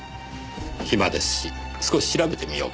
暇ですし少し調べてみようかと。